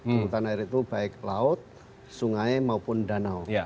angkutan air itu baik laut sungai maupun danau